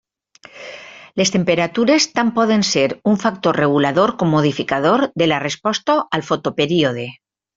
Les temperatures tant poden ser un factor regulador com modificador de la resposta al fotoperíode.